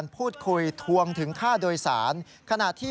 ผู้หญิงคนหนึ่งนะครับที่